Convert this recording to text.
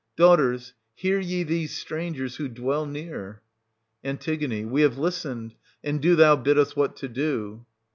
Daughters, hear ye these strangers, who dwell near ? An. We have listened ; and do thou bid us what to do.